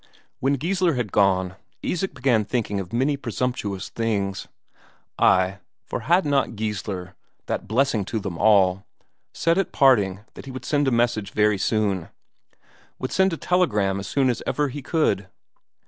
When Geissler had gone, Isak began thinking of many presumptuous things. Ay, for had not Geissler, that blessing to them all, said at parting that he would send a message very soon would send a telegram as soon as ever he could.